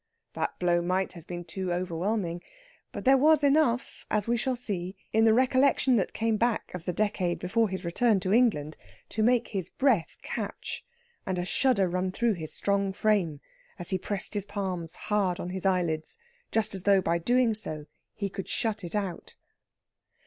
That blow might have been too overwhelming. But there was enough, as we shall see, in the recollection that came back of the decade before his return to England, to make his breath catch and a shudder run through his strong frame as he pressed his palms hard on his eyelids, just as though by so doing he could shut it out.